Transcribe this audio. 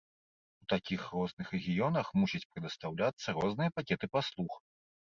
У такіх розных рэгіёнах мусяць прадастаўляцца розныя пакеты паслуг.